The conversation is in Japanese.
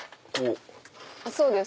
そうです。